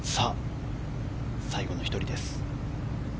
最後の１人です。